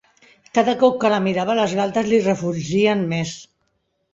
Cada cop que la mirava les galtes li refulgien més.